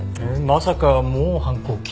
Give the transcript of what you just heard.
まさかもう反抗期？